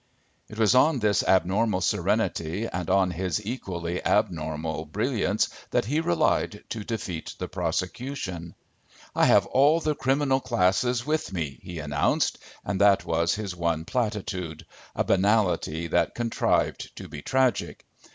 It was on this abnormal serenity and on his equally abnormal brilliance that he relied to defeat the prosecution. "I have all the criminal classes with me," he announced, and that was his one platitude, a banality that contrived to be tragic.